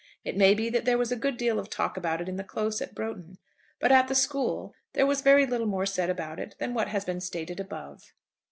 It may be that there was a good deal of talk about it in the Close at Broughton. But at the school there was very little more said about it than what has been stated above.